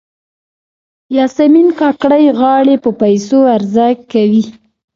یاسمین کاکړۍ غاړې په پیسو عرضه کوي.